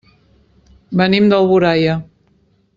Venim d'Alboraia.